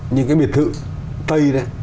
những cái biệt thự tây đấy